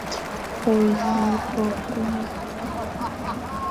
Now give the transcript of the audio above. O yi bo kuma,